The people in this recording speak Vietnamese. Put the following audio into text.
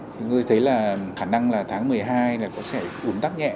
thì tôi thấy là khả năng là tháng một mươi hai là có thể bốn tác nhẹ